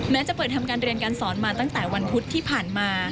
จะเปิดทำการเรียนการสอนมาตั้งแต่วันพุธที่ผ่านมา